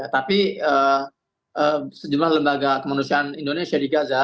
tapi sejumlah lembaga kemanusiaan indonesia di gaza